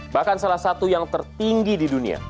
bahkan salah satu yang tertinggi di dunia